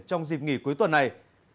trong dịp nghỉ cuối tuần này